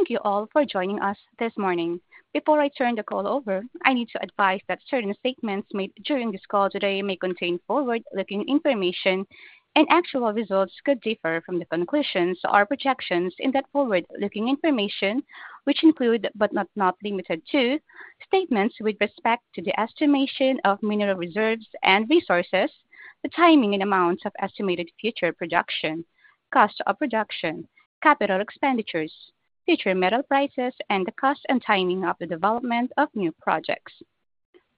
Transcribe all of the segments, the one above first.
Thank you all for joining us this morning. Before I turn the call over, I need to advise that certain statements made during this call today may contain forward-looking information, and actual results could differ from the conclusions or projections in that forward-looking information, which include, but are not limited to, statements with respect to the estimation of mineral reserves and resources, the timing and amounts of estimated future production, cost of production, capital expenditures, future mineral prices, and the cost and timing of the development of new projects.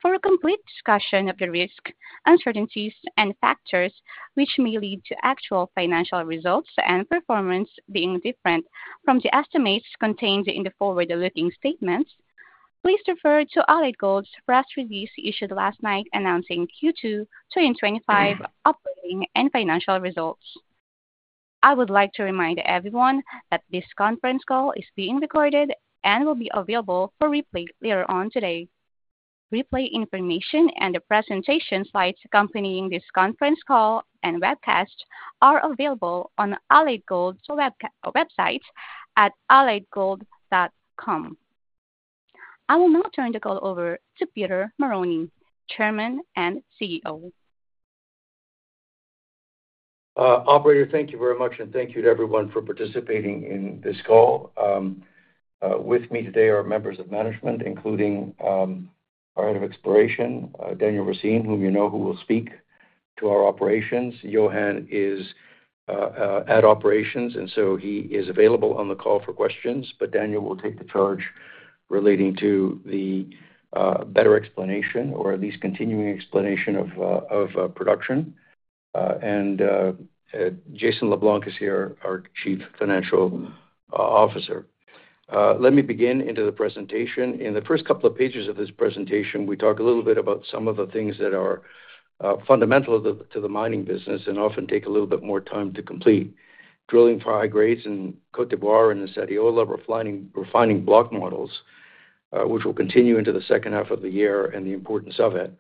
For a complete discussion of the risks, uncertainties, and factors which may lead to actual financial results and performance being different from the estimates contained in the forward-looking statements, please refer to Allied Gold's press release issued last night announcing Q2 2025 operating and financial results. I would like to remind everyone that this conference call is being recorded and will be available for replay later on today. Replay information and the presentation slides accompanying this conference call and webcast are available on Allied Gold's website at alliedgold.com. I will now turn the call over to Peter Marrone, Chairman and CEO. Operator, thank you very much, and thank you to everyone for participating in this call. With me today are members of management, including our Head of Exploration, Daniel Racine, whom you know who will speak to our operations. Johannes is at operations, and he is available on the call for questions, but Daniel will take the charge relating to the better explanation, or at least continuing explanation, of production. Jason LeBlanc is here, our Chief Financial Officer. Let me begin into the presentation. In the first couple of pages of this presentation, we talk a little bit about some of the things that are fundamental to the mining business and often take a little bit more time to complete. Drilling for high grades in Côte d’Ivoire and in the Sadiola refining block models, which will continue into the second half of the year, and the importance of it.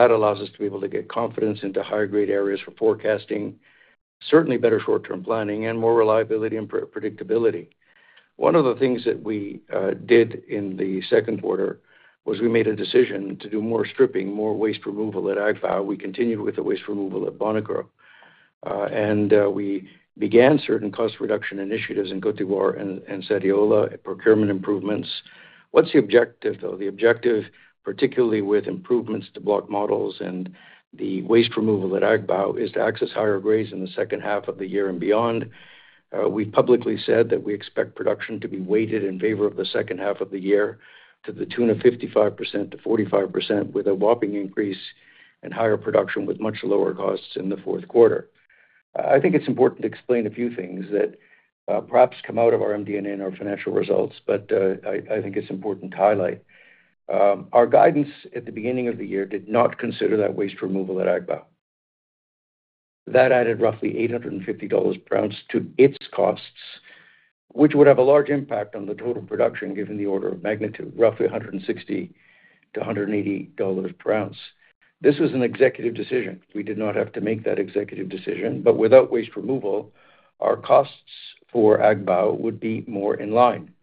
That allows us to be able to get confidence into higher grade areas for forecasting, certainly better short-term planning, and more reliability and predictability. One of the things that we did in the second quarter was we made a decision to do more stripping, more waste removal at Agbaou. We continued with the waste removal at Bonikro, and we began certain cost reduction initiatives in Côte d’Ivoire and Sadiola, procurement improvements. What's the objective, though? The objective, particularly with improvements to block models and the waste removal at Agbaou, is to access higher grades in the second half of the year and beyond. We publicly said that we expect production to be weighted in favor of the second half of the year to the tune of 55%-45%, with a whopping increase in higher production with much lower costs in the fourth quarter. I think it's important to explain a few things that perhaps come out of our MD&A and our financial results, but I think it's important to highlight. Our guidance at the beginning of the year did not consider that waste removal at Agbaou. That added roughly $850 per ounce to its costs, which would have a large impact on the total production given the order of magnitude, roughly $160-$180 per ounce. This was an executive decision. We did not have to make that executive decision, but without waste removal, our costs for Agbaou would be more in line.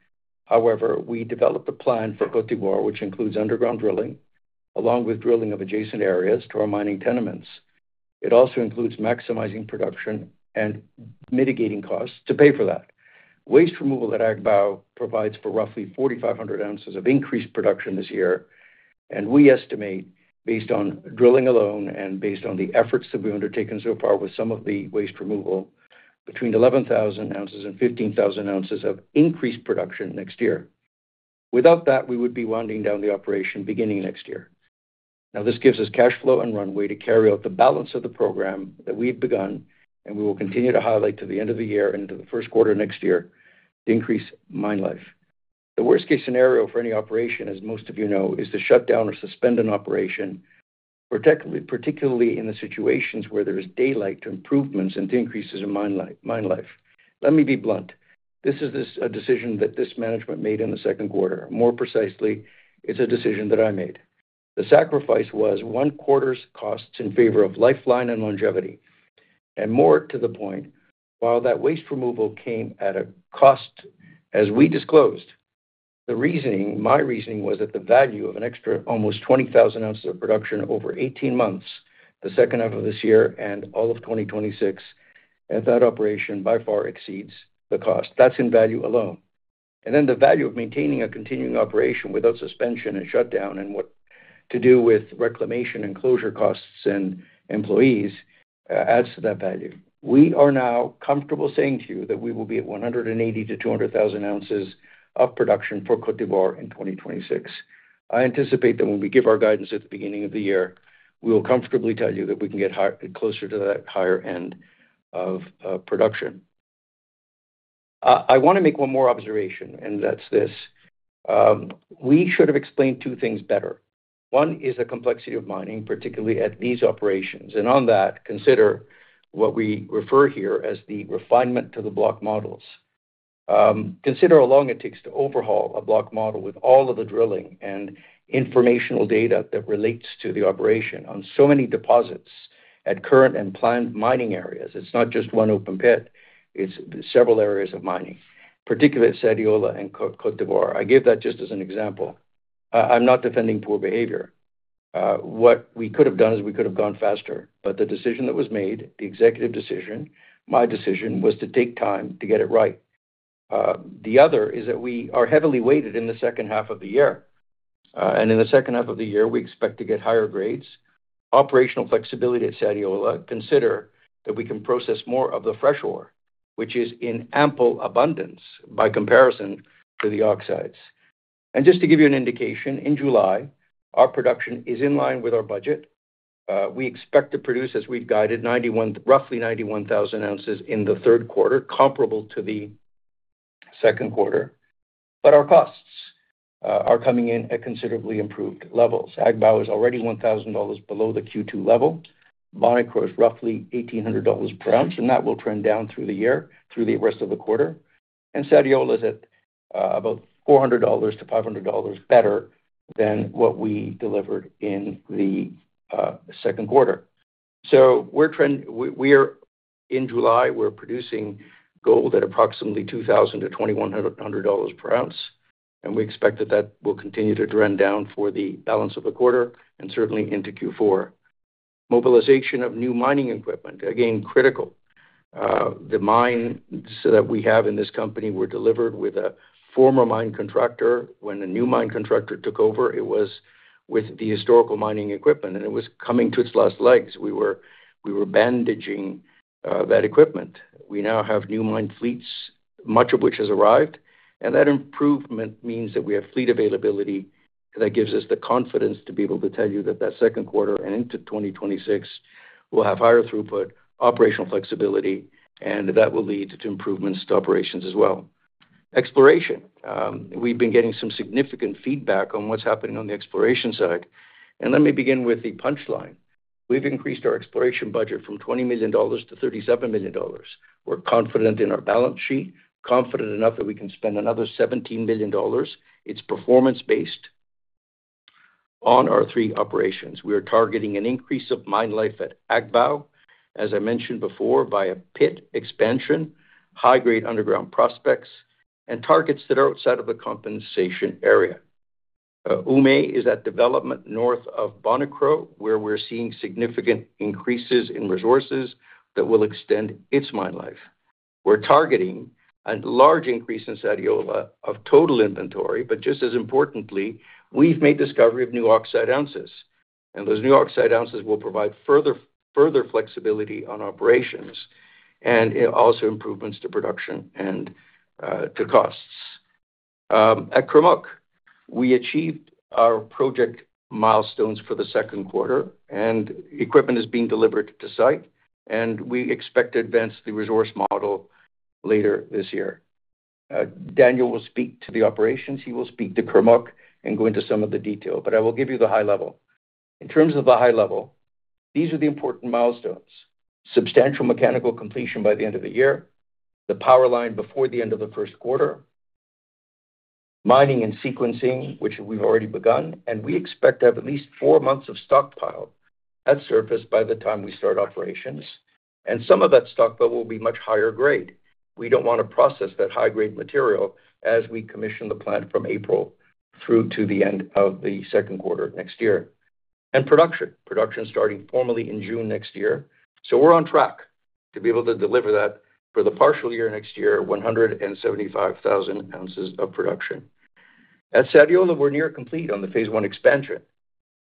However, we developed a plan for Côte d’Ivoire, which includes underground drilling, along with drilling of adjacent areas to our mining tenements. It also includes maximizing production and mitigating costs to pay for that. Waste removal at Agbaou provides for roughly 4,500 oz of increased production this year, and we estimate, based on drilling alone and based on the efforts that we've undertaken so far with some of the waste removal, between 11,000 oz and 15,000 oz of increased production next year. Without that, we would be winding down the operation beginning next year. This gives us cash flow and runway to carry out the balance of the program that we've begun, and we will continue to highlight to the end of the year and into the first quarter next year to increase mine life. The worst-case scenario for any operation, as most of you know, is to shut down or suspend an operation, particularly in the situations where there is daylight to improvements and to increases in mine life. Let me be blunt. This is a decision that this management made in the second quarter. More precisely, it's a decision that I made. The sacrifice was one quarter's costs in favor of lifeline and longevity. While that waste removal came at a cost, as we disclosed, the reasoning, my reasoning, was that the value of an extra almost 20,000 oz of production over 18 months, the second half of this year and all of 2026, at that operation by far exceeds the cost. That's in value alone. The value of maintaining a continuing operation without suspension and shutdown and what to do with reclamation and closure costs and employees adds to that value. We are now comfortable saying to you that we will be at 180,000-200,000 oz of production for Côte d’Ivoire in 2026. I anticipate that when we give our guidance at the beginning of the year, we will comfortably tell you that we can get closer to that higher end of production. I want to make one more observation, and that's this. We should have explained two things better. One is the complexity of mining, particularly at these operations, and on that, consider what we refer here as the refinement to the block models. Consider how long it takes to overhaul a block model with all of the drilling and informational data that relates to the operation on so many deposits at current and planned mining areas. It's not just one open pit. It's several areas of mining, particularly at Sadiola and Côte d’Ivoire. I give that just as an example. I'm not defending poor behavior. What we could have done is we could have gone faster, but the decision that was made, the executive decision, my decision, was to take time to get it right. The other is that we are heavily weighted in the second half of the year. In the second half of the year, we expect to get higher grades, operational flexibility at Sadiola. Consider that we can process more of the fresh ore, which is in ample abundance by comparison to the oxides. Just to give you an indication, in July, our production is in line with our budget. We expect to produce, as we guided, roughly 91,000 oz in the third quarter, comparable to the second quarter. Our costs are coming in at considerably improved levels. Agbaou is already $1,000 below the Q2 level. Bonikro is roughly $1,800 per ounce, and that will trend down through the year, through the rest of the quarter. Sadiola is at about $400-$500 better than what we delivered in the second quarter. In July, we're producing gold at approximately $2,000-$2,100 per ounce, and we expect that will continue to trend down for the balance of the quarter and certainly into Q4. Mobilization of new mining equipment, again, critical. The mines that we have in this company were delivered with a former mine contractor. When a new mine contractor took over, it was with the historical mining equipment, and it was coming to its last legs. We were bandaging that equipment. We now have new mine fleets, much of which has arrived, and that improvement means that we have fleet availability that gives us the confidence to be able to tell you that that second quarter and into 2026 will have higher throughput, operational flexibility, and that will lead to improvements to operations as well. Exploration. We've been getting some significant feedback on what's happening on the exploration side, and let me begin with the punchline. We've increased our exploration budget from $20 million to $37 million. We're confident in our balance sheet, confident enough that we can spend another $17 million. It's performance-based on our three operations. We are targeting an increase of mine life at Agbaou, as I mentioned before, by a pit expansion, high-grade underground prospects, and targets that are outside of the compensation area. Oumé is that development north of Bonikro, where we're seeing significant increases in resources that will extend its mine life. We're targeting a large increase in Sadiola of total inventory, but just as importantly, we've made discovery of new oxide ounces, and those new oxide ounces will provide further flexibility on operations and also improvements to production and to costs. At Kurmuk, we achieved our project milestones for the second quarter, and equipment is being delivered to site, and we expect to advance the resource model later this year. Daniel will speak to the operations. He will speak to Kurmuk and go into some of the detail, but I will give you the high level. In terms of the high level, these are the important milestones: substantial mechanical completion by the end of the year, the power line before the end of the first quarter, mining and sequencing, which we've already begun, and we expect to have at least four months of stockpile at surface by the time we start operations, and some of that stockpile will be much higher grade. We don't want to process that high-grade material as we commission the plant from April through to the end of the second quarter next year. Production starting formally in June next year, so we're on track to be able to deliver that for the partial year next year, 175,000 oz of production. At Sadiola, we're near complete on the phase I expansion,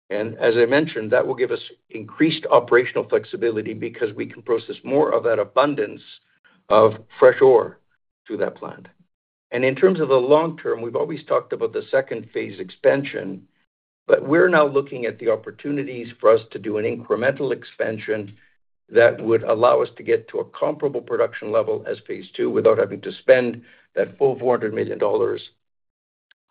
and as I mentioned, that will give us increased operational flexibility because we can process more of that abundance of fresh ore through that plant. In terms of the long-term, we've always talked about the second phase expansion, but we're now looking at the opportunities for us to do an incremental expansion that would allow us to get to a comparable production level as phase II without having to spend that full $400 million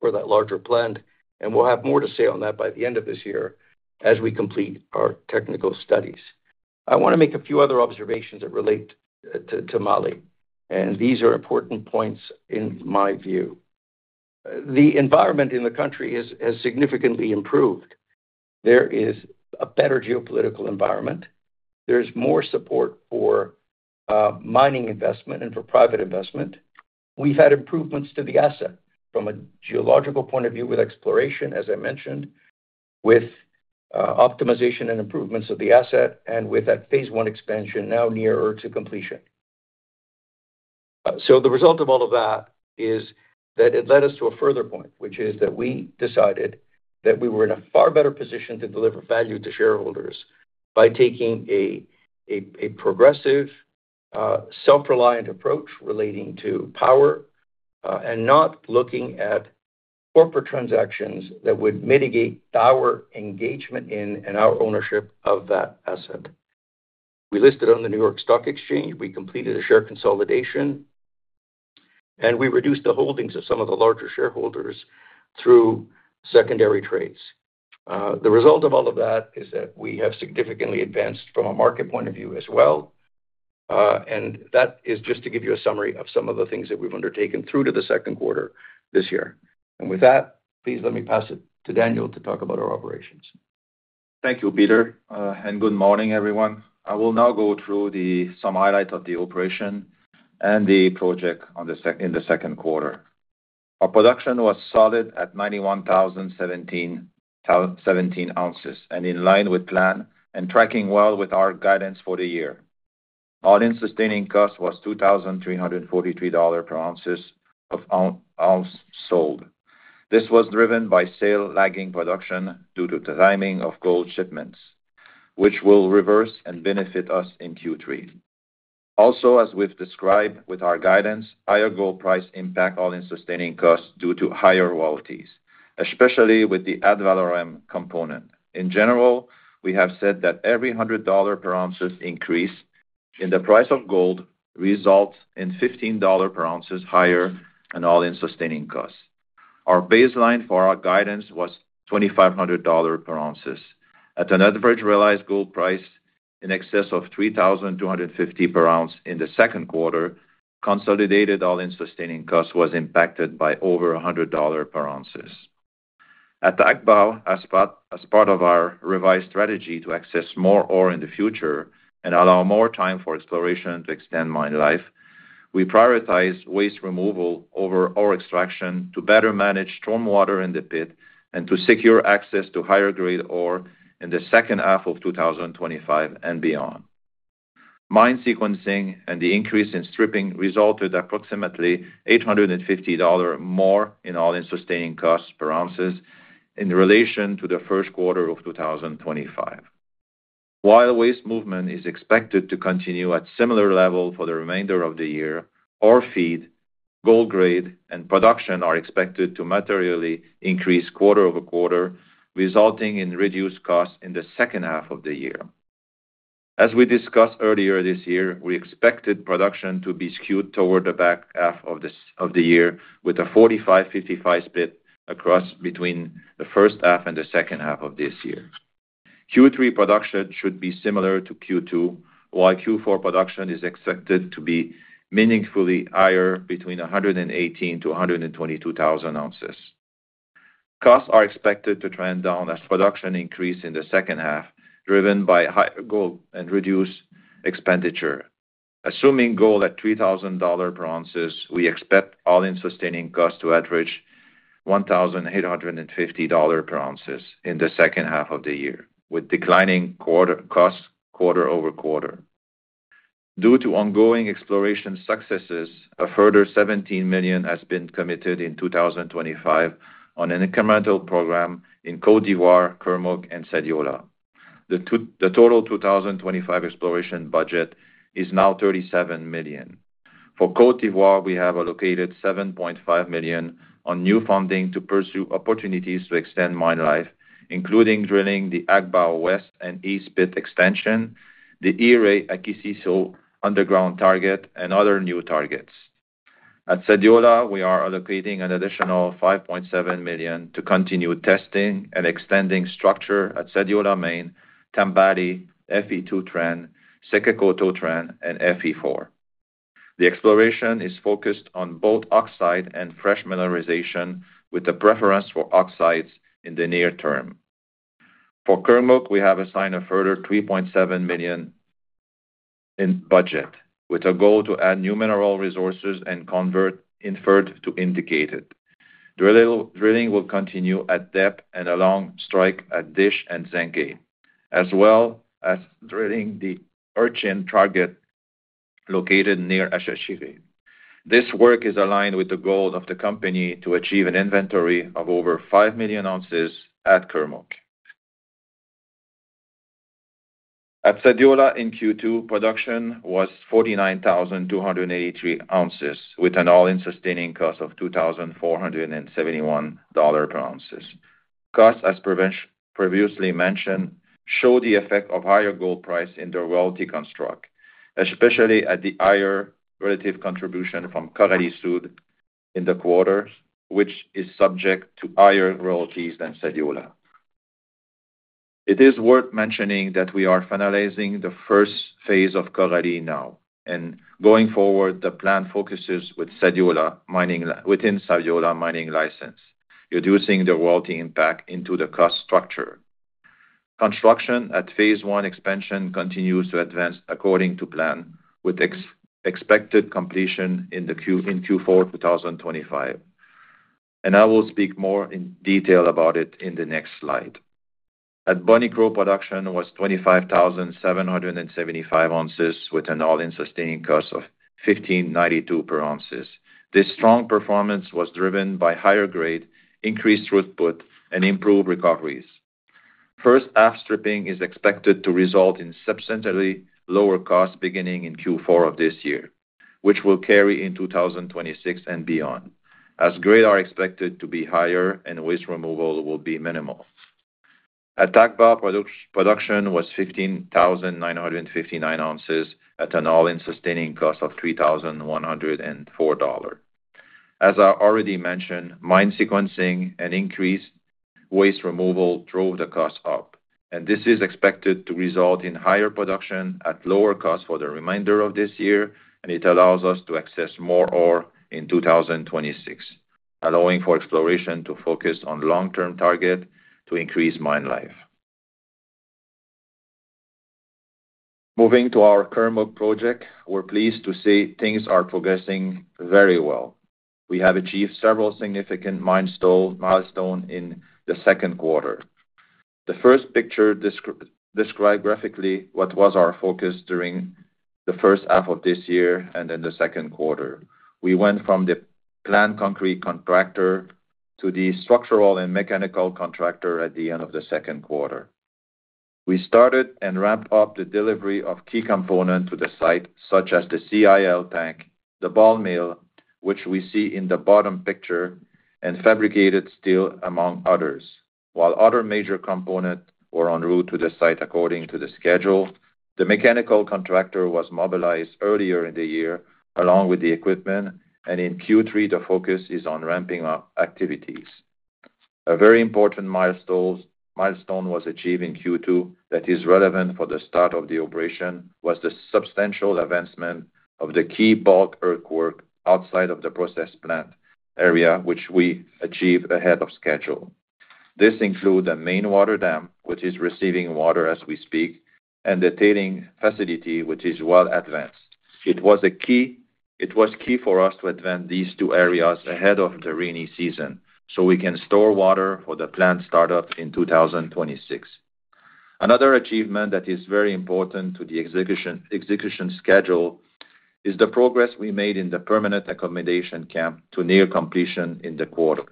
for that larger plant, and we'll have more to say on that by the end of this year as we complete our technical studies. I want to make a few other observations that relate to Mali, and these are important points in my view. The environment in the country has significantly improved. There is a better geopolitical environment. There's more support for mining investment and for private investment. We've had improvements to the asset from a geological point of view with exploration, as I mentioned, with optimization and improvements of the asset, and with that phase I expansion now nearer to completion. The result of all of that is that it led us to a further point, which is that we decided that we were in a far better position to deliver value to shareholders by taking a progressive, self-reliant approach relating to power and not looking at corporate transactions that would mitigate our engagement in and our ownership of that asset. We listed on the New York Stock Exchange. We completed a share consolidation, and we reduced the holdings of some of the larger shareholders through secondary trades. The result of all of that is that we have significantly advanced from a market point of view as well, and that is just to give you a summary of some of the things that we've undertaken through to the second quarter this year. With that, please let me pass it to Daniel to talk about our operations. Thank you, Peter, and good morning, everyone. I will now go through some highlights of the operation and the project in the second quarter. Our production was solid at 91,017 oz, and in line with plan and tracking well with our guidance for the year. The all-in sustaining cost was $2,343 per ounce sold. This was driven by sales lagging production due to the timing of gold shipments, which will reverse and benefit us in Q3. Also, as we've described with our guidance, higher gold price impacts all-in sustaining costs due to higher royalties, especially with the ad valorem component. In general, we have said that every $100 per ounce increase in the price of gold results in $15 per ounce higher in all-in sustaining costs. Our baseline for our guidance was $2,500 per ounce. At an average realized gold price in excess of $3,250 per ounce in the second quarter, consolidated all-in sustaining costs were impacted by over $100 per ounce. At Agbaou, as part of our revised strategy to access more ore in the future and allow more time for exploration to extend mine life, we prioritized waste removal over ore extraction to better manage stormwater in the pit and to secure access to higher grade ore in the second half of 2025 and beyond. Mine sequencing and the increase in stripping resulted in approximately $850 more in all-in sustaining costs per ounce in relation to the first quarter of 2025. While waste movement is expected to continue at a similar level for the remainder of the year, ore feed, gold grade, and production are expected to materially increase quarter over quarter, resulting in reduced costs in the second half of the year. As we discussed earlier this year, we expected production to be skewed toward the back half of the year with a 45/55 split across between the first half and the second half of this year. Q3 production should be similar to Q2, while Q4 production is expected to be meaningfully higher, between 118,000-122,000 ounces. Costs are expected to trend down as production increases in the second half, driven by higher gold and reduced expenditure. Assuming gold at $3,000 per ounce, we expect all-in sustaining costs to average $1,850 per ounce in the second half of the year, with declining costs quarter-over-quarter. Due to ongoing exploration successes, a further $17 million has been committed in 2025 on an incremental program in Côte d’Ivoire, Kurmuk, and Sadiola. The total 2025 exploration budget is now $37 million. For Côte d’Ivoire, we have allocated $7.5 million on new funding to pursue opportunities to extend mine life, including drilling the Agbaou West and East pit expansion, the Hire-Akissi-So underground target, and other new targets. At Sadiola, we are allocating an additional $5.7 million to continue testing and extending structure at Sadiola Main, Tambali, FE2 Trend, Sekekoto Trend, and FE4. The exploration is focused on both oxide and fresh mineralization, with a preference for oxides in the near term. For Kurmuk, we have assigned a further $3.7 million in budget, with a goal to add new mineral resources and convert inferred to indicated. Drilling will continue at depth and along strike at Dish and Tsenge, as well as drilling the Urchin target located near Ashashire. This work is aligned with the goal of the company to achieve an inventory of over 5 million ounces at Kurmuk. At Sadiola, in Q2, production was 49,283 oz, with an all-in sustaining cost (AISC) of $2,471 per ounce. Costs, as previously mentioned, show the effect of higher gold price in the royalty construct, especially at the higher relative contribution from Korali-Sud in the quarter, which is subject to higher royalties than Sadiola. It is worth mentioning that we are finalizing the first phase of Korali now, and going forward, the plan focuses with Sadiola mining within Sadiola mining license, reducing the royalty impact into the cost structure. Construction at phase I expansion continues to advance according to plan, with expected completion in Q4 2025. I will speak more in detail about it in the next slide. At Bonikro, production was 25,775 oz, with an all-in sustaining cost (AISC) of $1,592 per ounce. This strong performance was driven by higher grade, increased throughput, and improved recoveries. First half stripping is expected to result in substantially lower costs beginning in Q4 of this year, which will carry into 2026 and beyond, as grades are expected to be higher and waste removal will be minimal. At Agbaou, production was 15,959 oz at an all-in sustaining cost (AISC) of $3,104. As I already mentioned, mine sequencing and increased waste removal drove the cost up, and this is expected to result in higher production at lower costs for the remainder of this year, and it allows us to access more ore in 2026, allowing for exploration to focus on long-term targets to increase mine life. Moving to our Kurmuk project, we're pleased to say things are progressing very well. We have achieved several significant milestones in the second quarter. The first picture describes graphically what was our focus during the first half of this year and in the second quarter. We went from the planned concrete contractor to the structural and mechanical contractor at the end of the second quarter. We started and ramped up the delivery of key components to the site, such as the CIL tank, the Ball mill, which we see in the bottom picture, and fabricated steel, among others. While other major components were en route to the site according to the schedule, the mechanical contractor was mobilized earlier in the year along with the equipment, and in Q3, the focus is on ramping up activities. A very important milestone was achieved in Q2 that is relevant for the start of the operation, was the substantial advancement of the key bulk earthwork outside of the process plant area, which we achieved ahead of schedule. This includes the main water dam, which is receiving water as we speak, and the tailing facility, which is well advanced. It was key for us to advance these two areas ahead of the rainy season so we can store water for the planned startup in 2026. Another achievement that is very important to the execution schedule is the progress we made in the permanent accommodation camp to near completion in the quarter,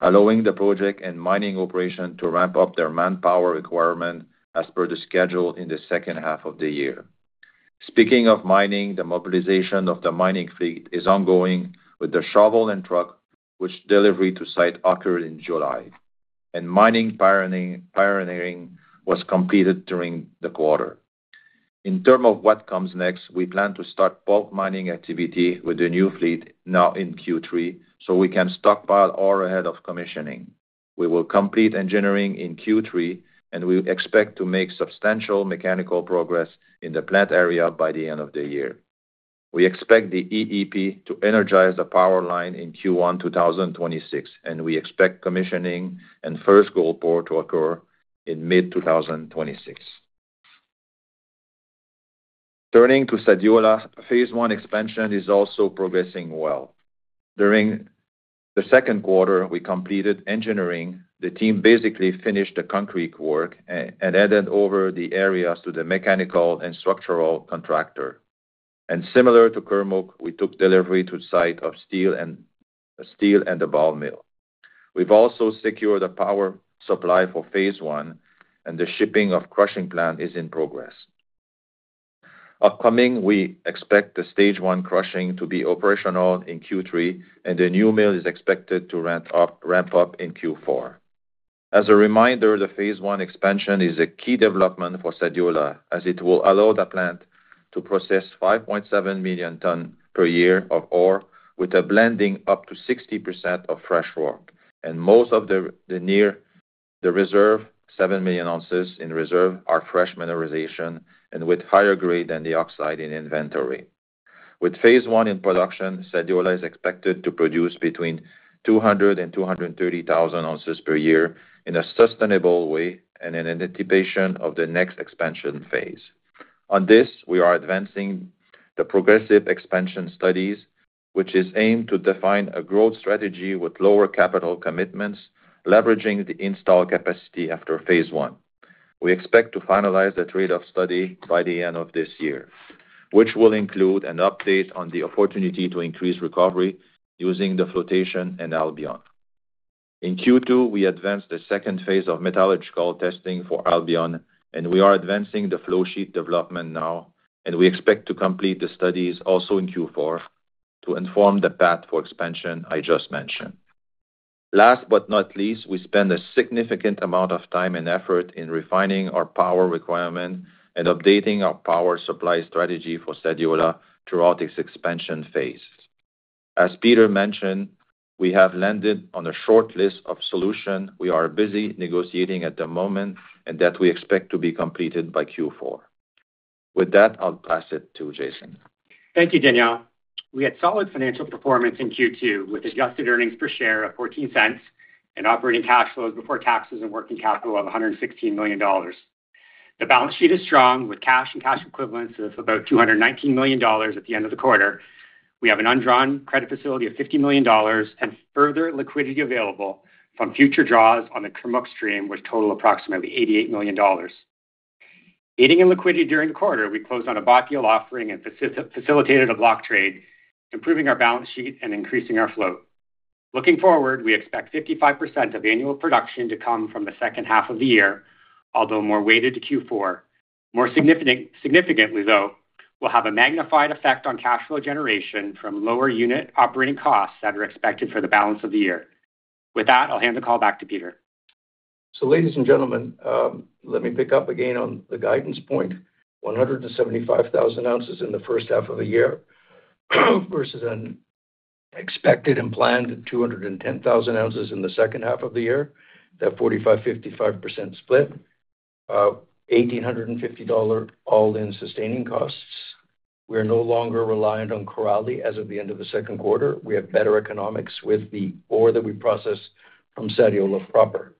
allowing the project and mining operation to ramp-up their manpower requirement as per the schedule in the second half of the year. Speaking of mining, the mobilization of the mining fleet is ongoing with the shovel and truck, which delivery to site occurred in July, and mining pioneering was completed during the quarter. In terms of what comes next, we plan to start bulk mining activity with the new fleet now in Q3 so we can stockpile ore ahead of commissioning. We will complete engineering in Q3, and we expect to make substantial mechanical progress in the plant area by the end of the year. We expect the EEP to energize the power line in Q1 2026, and we expect commissioning and first gold pour to occur in mid-2026. Turning to Sadiola, phase I expansion is also progressing well. During the second quarter, we completed engineering. The team basically finished the concrete work and handed over the areas to the mechanical and structural contractor. Similar to Kurmuk,, we took delivery to the site of steel and the Ball mill. We've also secured a power supply for phase I, and the shipping of crushing plant is in progress. Upcoming, we expect the stage one crushing to be operational in Q3, and the new mill is expected to ramp-up in Q4. As a reminder, the phase I expansion is a key development for Sadiola as it will allow the plant to process 5.7 million tonnes per year of ore, with a blending up to 60% of fresh ore. Most of the near the reserve, 7 million ounces in reserve, are fresh mineralization and with higher grade than the oxide in inventory. With phase I in production, Sadiola is expected to produce between 200,000-230,000 ounces per year in a sustainable way in anticipation of the next expansion phase. On this, we are advancing the progressive expansion studies, which is aimed to define a growth strategy with lower capital commitments, leveraging the installed capacity after phase I. We expect to finalize the trade-off study by the end of this year, which will include an update on the opportunity to increase recovery using the flotation and Albion. In Q2, we advanced the second phase of metallurgical testing for Albion, and we are advancing the flow sheet development now, and we expect to complete the studies also in Q4 to inform the path for expansion I just mentioned. Last but not least, we spend a significant amount of time and effort in refining our power requirement and updating our power supply strategy for Sadiola throughout its expansion phase. As Peter mentioned, we have landed on a shortlist of solutions we are busy negotiating at the moment and that we expect to be completed by Q4. With that, I'll pass it to Jason. Thank you, Daniel. We had solid financial performance in Q2 with adjusted earnings per share of $0.14 and operating cash flows before taxes and working capital of $116 million. The balance sheet is strong with cash and cash equivalents of about $219 million at the end of the quarter. We have an undrawn credit facility of $50 million and further liquidity available from future draws on the Kurmuk stream, which total approximately $88 million. Aiding in liquidity during the quarter, we closed on a bought offering and facilitated a block trade, improving our balance sheet and increasing our flow. Looking forward, we expect 55% of annual production to come from the second half of the year, although more weighted to Q4. More significantly, though, we'll have a magnified effect on cash flow generation from lower unit operating costs that are expected for the balance of the year. With that, I'll hand the call back to Peter. Ladies and gentlemen, let me pick up again on the guidance point: 175,000 oz in the first half of the year versus an expected and planned 210,000 oz in the second half of the year, that 45-55% split, $1,850 all-in sustaining costs. We are no longer reliant on Korali as of the end of the second quarter. We have better economics with the ore that we process from Sadiola proper.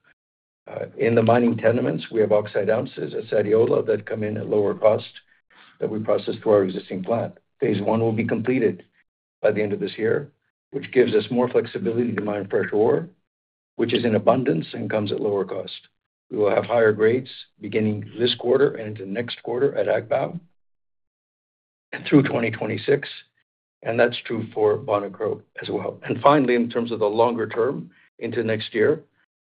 In the mining tenements, we have oxide ounces at Sadiola that come in at lower cost that we process through our existing plant. Phase one will be completed by the end of this year, which gives us more flexibility to mine fresh ore, which is in abundance and comes at lower cost. We will have higher grades beginning this quarter and into next quarter at Agbaou and through 2026, and that is true for Bonikro as well. Finally, in terms of the longer term, into next year,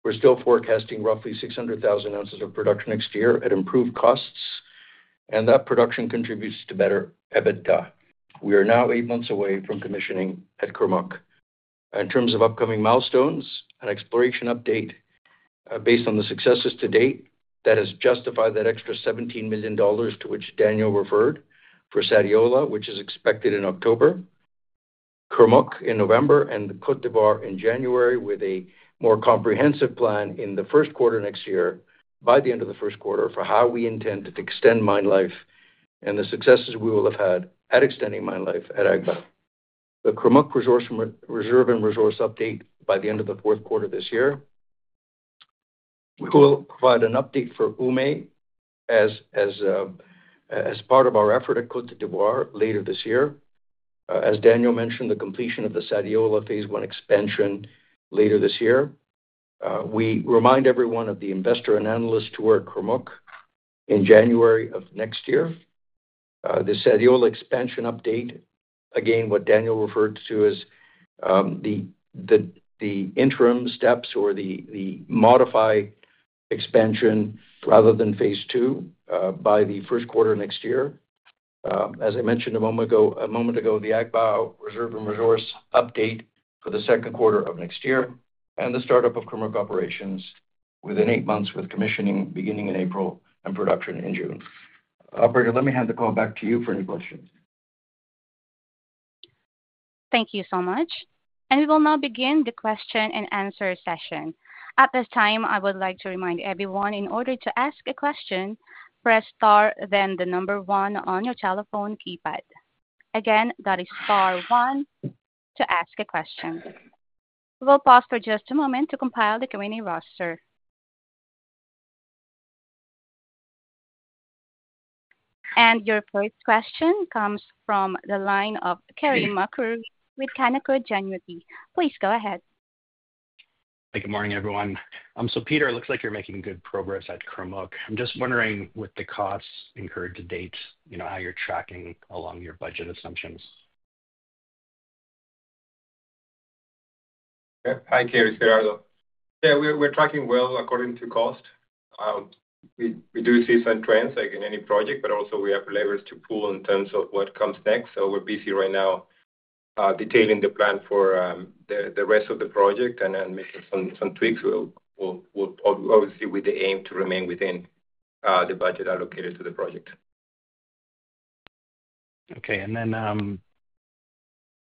we're still forecasting roughly 600,000 oz of production next year at improved costs, and that production contributes to better EBITDA. We are now eight months away from commissioning at Kurmuk. In terms of upcoming milestones, an exploration update based on the successes to date that has justified that extra $17 million to which Daniel referred for Sadiola, which is expected in October, Kurmuk in November, and Côte d’Ivoire in January, with a more comprehensive plan in the first quarter next year by the end of the first quarter for how we intend to extend mine life and the successes we will have had at extending mine life at Agbaou. The Kurmuk reserve and resource update by the end of the fourth quarter this year. We will provide an update for Oumé as part of our effort at Côte d’Ivoire later this year. As Daniel mentioned, the completion of the Sadiola phase I expansion later this year. We remind everyone of the investor and analysts who are at Kurmuk in January of next year. The Sadiola expansion update, again, what Daniel referred to as the interim steps or the modified expansion rather than phase II by the first quarter next year. As I mentioned a moment ago, the Agbaou reserve and resource update for the second quarter of next year and the startup of Kurmuk operations within eight months with commissioning beginning in April and production in June. Operator, let me hand the call back to you for any questions. Thank you so much. We will now begin the Q&A session. At this time, I would like to remind everyone, in order to ask a question, press star then the number one on your telephone keypad. Again, that is star one to ask a question. We'll pause for just a moment to compile the committee roster. Your first question comes from the line of Carey MacRury with Canaccord Genuity. Please go ahead. Hey, good morning, everyone. Peter, it looks like you're making good progress at Kurmuk. I'm just wondering, with the costs incurred to date, how you're tracking along your budget assumptions? Hi, Carey it's Daniel. Yeah, we're tracking well according to cost. We do see some trends, like in any project, but also we have levers to pull in terms of what comes next. We're busy right now detailing the plan for the rest of the project and making some tweaks. We'll obviously with the aim to remain within the budget allocated to the project. Okay.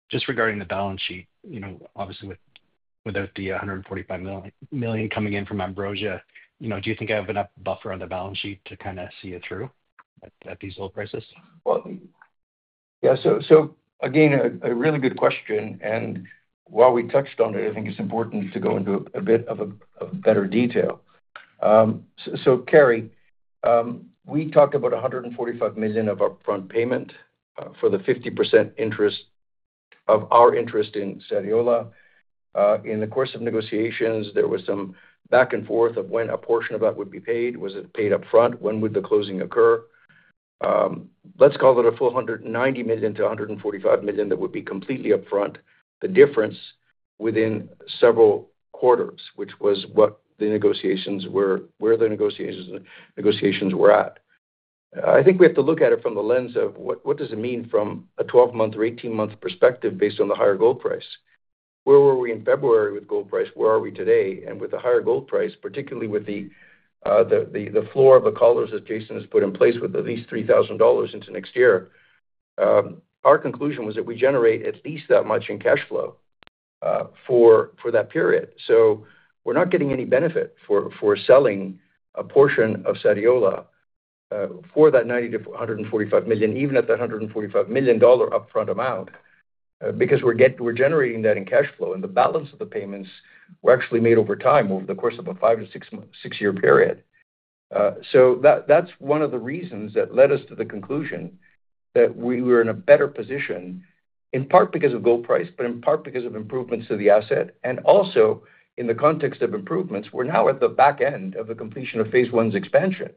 Just regarding the balance sheet, obviously without the $145 million coming in from Ambrosia, do you think I have enough buffer on the balance sheet to kind of see it through at these low prices? A really good question. While we touched on it, I think it's important to go into a bit of a better detail. Carey, we talked about $145 million of upfront payment for the 50% interest of our interest in Sadiola. In the course of negotiations, there was some back and forth of when a portion of that would be paid. Was it paid upfront? When would the closing occur? Let's call it a full $190 million-$145 million that would be completely upfront, the difference within several quarters, which was what the negotiations were, where the negotiations were at. I think we have to look at it from the lens of what does it mean from a 12-month or 18-month perspective based on the higher gold price. Where were we in February with gold price? Where are we today? With the higher gold price, particularly with the floor of the collars that Jason has put in place with at least $3,000 into next year, our conclusion was that we generate at least that much in cash flow for that period. We're not getting any benefit for selling a portion of Sadiola for that $90 million-$145 million, even at that $145 million upfront amount, because we're generating that in cash flow. The balance of the payments were actually made over time over the course of a five to six-year period. That's one of the reasons that led us to the conclusion that we were in a better position, in part because of gold price, but in part because of improvements to the asset. Also, in the context of improvements, we're now at the back end of the completion of phase I expansion,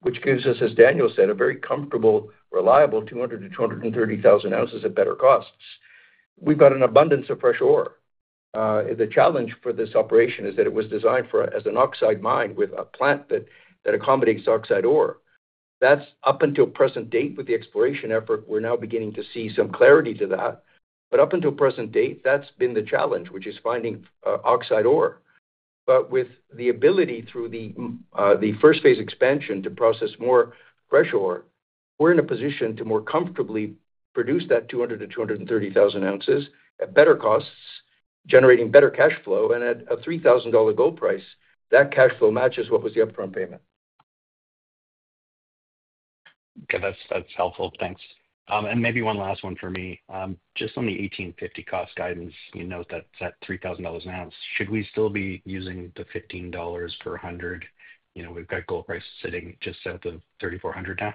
which gives us, as Daniel said, a very comfortable, reliable 200,000-230,000 oz at better costs. We've got an abundance of fresh ore. The challenge for this operation is that it was designed as an oxide mine with a plant that accommodates oxide ore. That's up until present date with the exploration effort. We're now beginning to see some clarity to that. Up until present date, that's been the challenge, which is finding oxide ore. With the ability through the first phase expansion to process more fresh ore, we're in a position to more comfortably produce that 200,000 -230,000 oz at better costs, generating better cash flow. At a $3,000 gold price, that cash flow matches what was the upfront payment. Okay. That's helpful. Thanks. Maybe one last one for me. Just on the $1,850 cost guidance, you note that it's at $3,000 an ounce. Should we still be using the $15 for $100? You know we've got gold prices sitting just at the $3,400 now.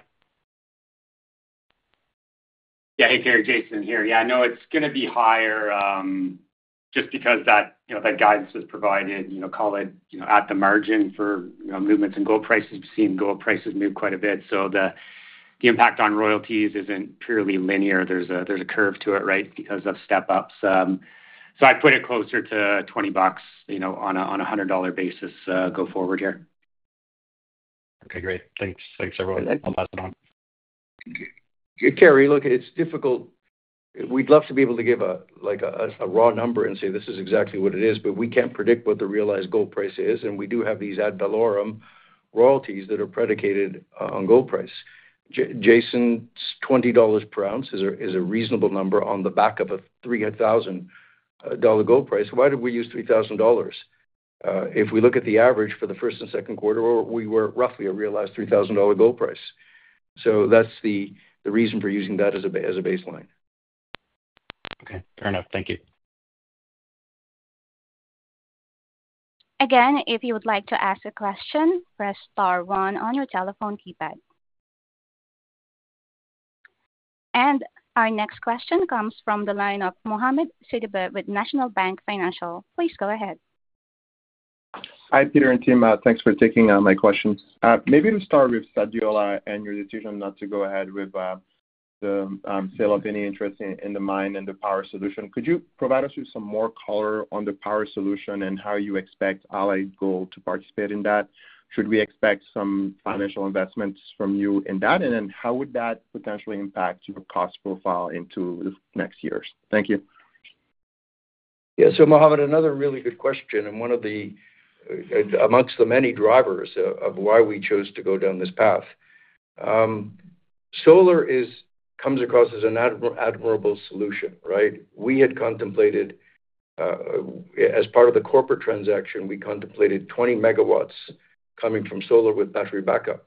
Yeah. Hey, Carey. Jason here. Yeah, no, it's going to be higher just because that guidance was provided. You know, call it at the margin for movements in gold prices. We've seen gold prices move quite a bit. The impact on royalties isn't purely linear. There's a curve to it, right, because of step-ups. I'd put it closer to $20 on a $100 basis going forward here. Okay. Great. Thanks. Thanks, everyone. I'll pass it on. Carey, look, it's difficult. We'd love to be able to give a raw number and say this is exactly what it is, but we can't predict what the realized gold price is. We do have these ad valorem royalties that are predicated on gold price. Jason's $20 per ounce is a reasonable number on the back of a $3,000 gold price. Why did we use $3,000? If we look at the average for the first and second quarter, we were roughly a realized $3,000 gold price. That's the reason for using that as a baseline. Okay. Fair enough. Thank you. If you would like to ask a question, press star one on your telephone keypad. Our next question comes from the line of Mohamed Sidibé with National Bank Financial. Please go ahead. Hi, Peter and team. Thanks for taking my question. Maybe to start with Sadiola and your decision not to go ahead with the sale of any interest in the mine and the power solution, could you provide us with some more color on the power solution and how you expect Allied Gold to participate in that? Should we expect some financial investments from you in that? How would that potentially impact your cost profile into the next years? Thank you. Yeah. Mohamed, another really good question. One of the amongst the many drivers of why we chose to go down this path, solar comes across as an admirable solution, right? We had contemplated, as part of the corporate transaction, 20 MW coming from solar with battery backup.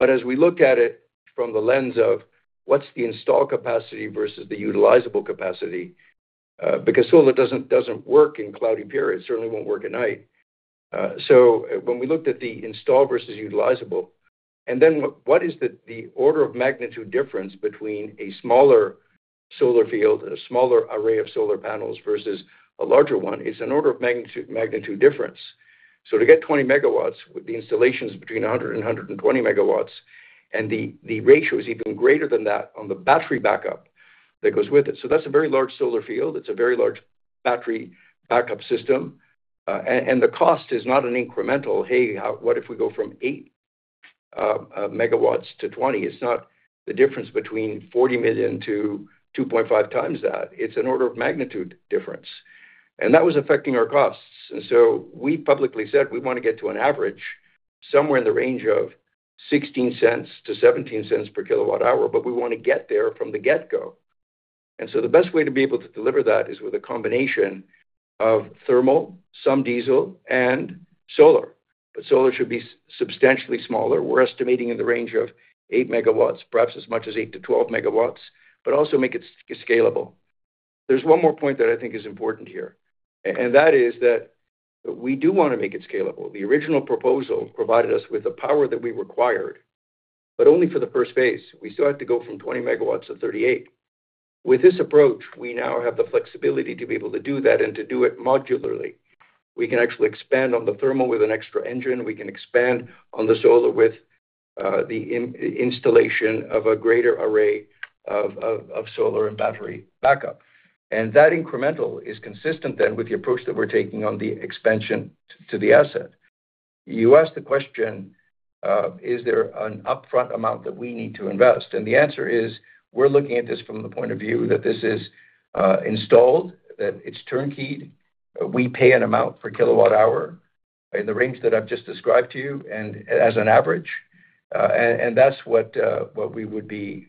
As we look at it from the lens of what's the installed capacity versus the utilizable capacity, because solar doesn't work in cloudy periods, certainly won't work at night. When we looked at the installed versus utilizable, and then what is the order of magnitude difference between a smaller solar field and a smaller array of solar panels versus a larger one, it is an order of magnitude difference. To get 20 MW with the installations between 100-120 MW, the ratio is even greater than that on the battery backup that goes with it. That is a very large solar field. It's a very large battery backup system. The cost is not an incremental, hey, what if we go from 8 MW to 20 MW? It's not the difference between $40 million to 2.5 times that. It's an order of magnitude difference. That was affecting our costs. We publicly said we want to get to an average somewhere in the range of $0.16-$0.17 per kilowatt hour, but we want to get there from the get-go. The best way to be able to deliver that is with a combination of thermal, some diesel, and solar. Solar should be substantially smaller. We're estimating in the range of 8 MW, perhaps as much as 8 MW-12 MW, but also make it scalable. There's one more point that I think is important here, and that is that we do want to make it scalable. The original proposal provided us with the power that we required, but only for the first phase. We still had to go from 20 MW to 38 MW. With this approach, we now have the flexibility to be able to do that and to do it modularly. We can actually expand on the thermal with an extra engine. We can expand on the solar with the installation of a greater array of solar and battery backup. That incremental is consistent then with the approach that we're taking on the expansion to the asset. You asked the question, is there an upfront amount that we need to invest? The answer is we're looking at this from the point of view that this is installed, that it's turnkeyed. We pay an amount per kilowatt hour in the range that I've just described to you and as an average. That's what we would be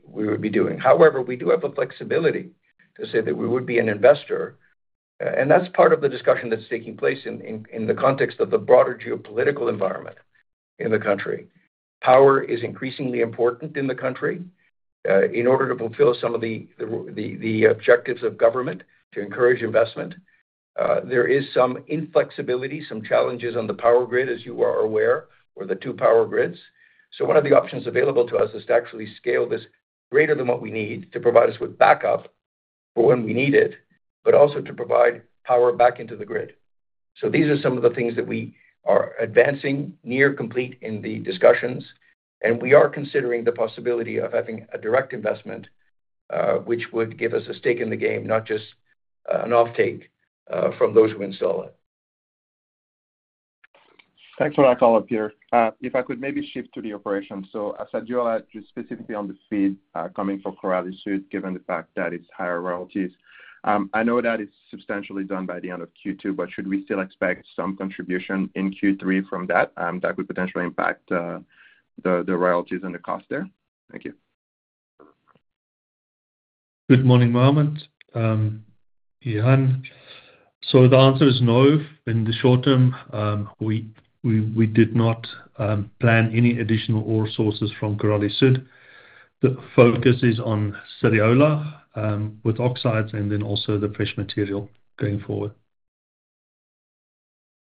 doing. However, we do have a flexibility to say that we would be an investor. That's part of the discussion that's taking place in the context of the broader geopolitical environment in the country. Power is increasingly important in the country. In order to fulfill some of the objectives of government to encourage investment, there is some inflexibility, some challenges on the power grid, as you are aware, or the two power grids. One of the options available to us is to actually scale this greater than what we need to provide us with backup for when we need it, but also to provide power back into the grid. These are some of the things that we are advancing near complete in the discussions. We are considering the possibility of having a direct investment, which would give us a stake in the game, not just an offtake from those who install it. Thanks for that call, Peter. If I could maybe shift to the operation. Sadiola, specifically on the feed coming from Korali-Sud, given the fact that it's higher royalties, I know that it's substantially done by the end of Q2, but should we still expect some contribution in Q3 from that? That could potentially impact the royalties and the cost there. Thank you. Good morning, Mohamed. Johannes. The answer is no. In the short term, we did not plan any additional ore sources from Korali-Sud. The focus is on Sadiola with oxides, and then also the fresh material going forward.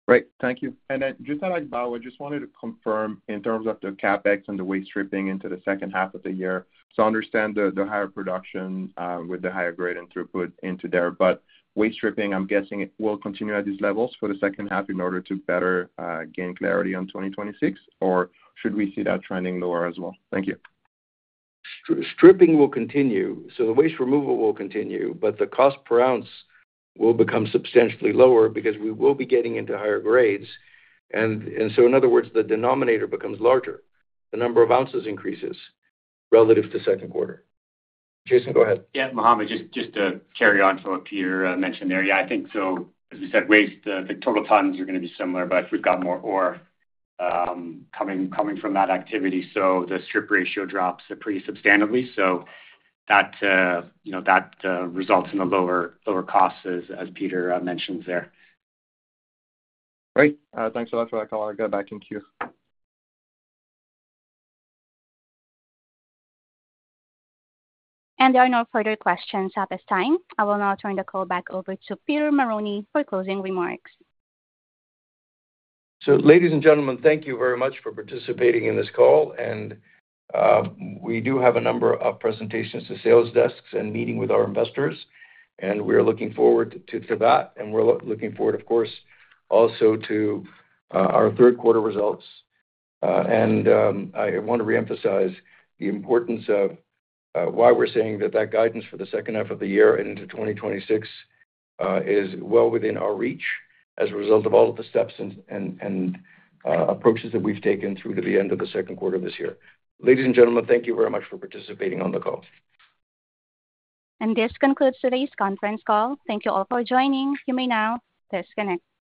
Great. Thank you. At Agbaou, I just wanted to confirm in terms of the CapEx and the waste stripping into the second half of the year. I understand the higher production with the higher grade and throughput into there, but waste stripping, I'm guessing it will continue at these levels for the second half in order to better gain clarity on 2026, or should we see that trending lower as well? Thank you. Stripping will continue. The waste removal will continue, but the cost per ounce will become substantially lower because we will be getting into higher grades. In other words, the denominator becomes larger. The number of ounces increases relative to the second quarter. Jason, go ahead. Yeah, Mohamed, just to carry on from what Peter mentioned there. I think so. As we said, waste, the total tonnes are going to be similar, but we've got more ore coming from that activity. The strip ratio drops pretty substantially. That results in the lower costs, as Peter mentions there. Great. Thanks a lot for that call. I'll go back in queue. There are no further questions at this time. I will now turn the call back over to Peter Marrone for closing remarks. Ladies and gentlemen, thank you very much for participating in this call. We do have a number of presentations to sales desks and meetings with our investors, and we are looking forward to that. We are looking forward, of course, also to our third quarter results. I want to reemphasize the importance of why we're saying that guidance for the second half of the year into 2026 is well within our reach as a result of all of the steps and approaches that we've taken through to the end of the second quarter of this year. Ladies and gentlemen, thank you very much for participating on the call. This concludes today's conference call. Thank you all for joining. You may now disconnect.